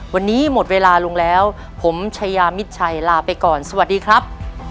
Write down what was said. วันนี้หมดเวลาลงแล้วผมชายามิดชัยลาไปก่อนสวัสดีครับ